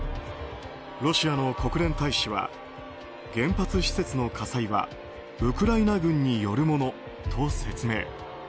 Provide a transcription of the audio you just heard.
ロシアの国連大使は原発施設の火災はウクライナ軍によるものと説明。